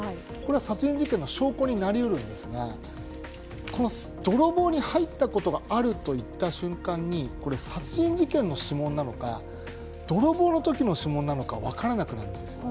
殺人事件の証拠になりうるんですが、泥棒に入ったことがあるといった瞬間に殺人事件の指紋なのか、泥棒のときの指紋なのか分からなくなるんですよ。